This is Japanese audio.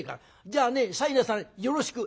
じゃあね西念さんによろしく」。